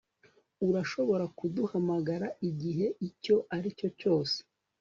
Urashobora kuduhamagara igihe icyo aricyo cyose